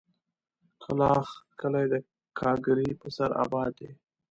کلاخ کلي د گاگرې په سر اباد دی.